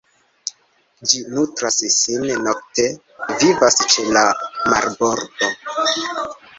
Ĝi nutras sin nokte, vivas ĉe la marbordo.